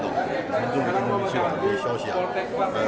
tiongkok pertama dan tiongkok pertama kepala pemerintah